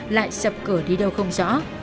lại sập cửa đi đâu không rõ